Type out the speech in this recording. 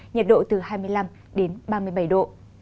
nhiệt độ từ hai mươi năm đến ba mươi bảy độ